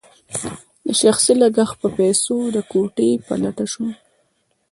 د شخصي لګښت په پیسو د کوټې په لټه شوم.